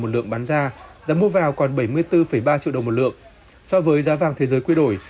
một lượng bán ra giá mua vào còn bảy mươi bốn ba triệu đồng một lượng so với giá vàng thế giới quy đổi